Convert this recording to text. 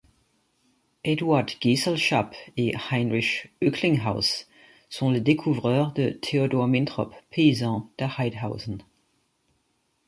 Eduard Geselschap et Heinrich Oecklinghaus sont les découvreurs de Theodor Mintrop, paysan de Heidhausen.